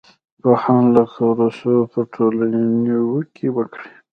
پوهان لکه روسو پر ټولنې نیوکې وکړې.